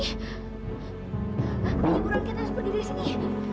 hanya buruan kita harus pergi dari sini